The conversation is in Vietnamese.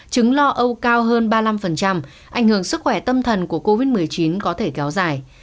chứng lo âu cao hơn ba mươi năm ảnh hưởng sức khỏe tâm thần của covid một mươi chín có thể kéo dài